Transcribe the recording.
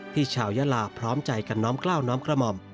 ชาวยาลาพร้อมใจกันน้อมกล้าวน้อมกระหม่อม